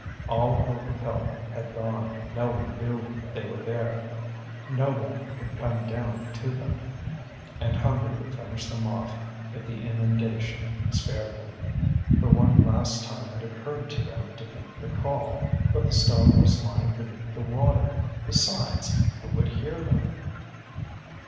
All hope of help had gone; no one knew they were there, no one could come down to them. And hunger would finish them off if the inundation spared them. For one last time it occurred to them to beat the call, but the stone was lying beneath the water. Besides, who would hear them?